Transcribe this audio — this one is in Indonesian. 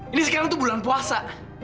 ini sekarang tuh bulan puasa